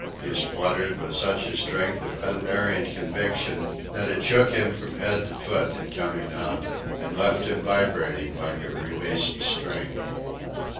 he spluttered with such a strength of unerring conviction that it shook him from head to foot in coming out, and left him vibrating like a released string.